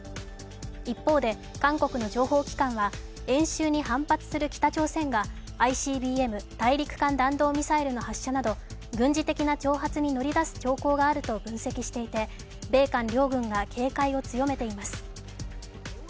一方で韓国の情報機関は演習に反発する北朝鮮がＩＣＢＭ＝大陸間弾道ミサイルの発射など軍事的な挑発に乗り出す兆候があると分析していて米韓両軍が警戒を強めています。